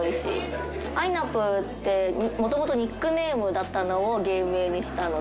あいなぷぅってもともとニックネームだったのを芸名にしたので。